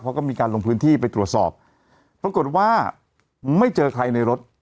เขาก็มีการลงพื้นที่ไปตรวจสอบปรากฏว่าไม่เจอใครในรถ